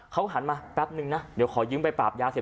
เค้าหันมาแป๊บนึงนะเดี๋ยวขอยิ้มไปปราบยาเสียบติดก่อน